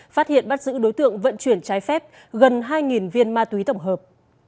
phát hiện bắt giữ đối tượng vận chuyển trái phép gần hai viên ma túy tổng hợp